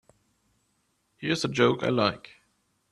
Here's a joke I like.